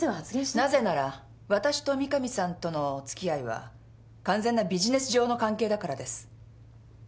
なぜならわたしと三神さんとのおつきあいは完全なビジネス上の関係だからです。